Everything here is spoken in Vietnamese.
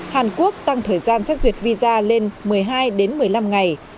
hàn quốc tăng thời gian xác duyệt visa lên một mươi hai đến một mươi năm ngày